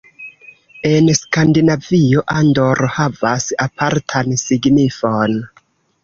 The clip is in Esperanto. En Skandinavio Andor havas apartan signifon.